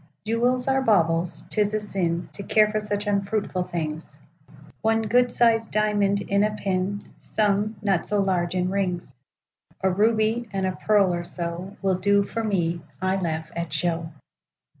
Jewels are baubles; 'tis a sinTo care for such unfruitful things;—One good sized diamond in a pin,—Some, not so large, in rings,—A ruby, and a pearl, or so, Will do for me;—I laugh at show.